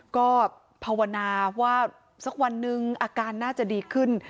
ก็ภาวนาว่าสักวันนึงอาการน่าจะดีขึ้น